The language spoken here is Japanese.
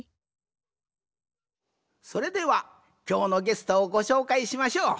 それではきょうのゲストをごしょうかいしましょう。